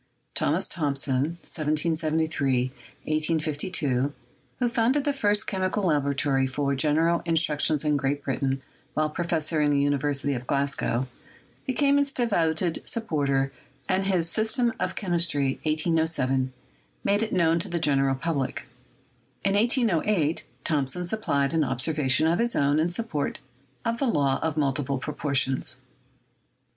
Thomas Thomson (1773 1852), who founded the first chemical laboratory for general in struction in Great Britain while professor in the Univer sity of Glasgow, became its devoted supporter, and his "System of Chemistry" (1807) made it known to the general public. In 1808, Thomson supplied an observation of his own in support of the law of multiple proportions.